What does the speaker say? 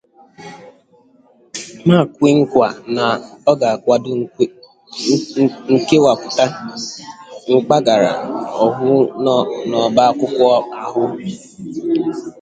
ma kwe nkwà na ọ ga-akwàdo nkewàpụta mpaghara ọhụụ n'ọba akwụkwọ ahụ